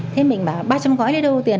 thế mình bảo ba trăm linh gói là đâu có tiền